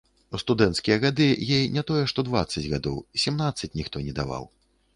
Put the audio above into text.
У студэнцкія гады ёй не тое што дваццаць гадоў - семнаццаць ніхто не даваў.